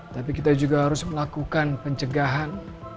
tapi kita juga harus melakukan pencegahan